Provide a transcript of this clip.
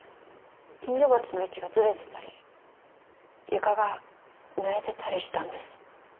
金魚鉢の位置がずれてたり床がぬれてたりしたんです。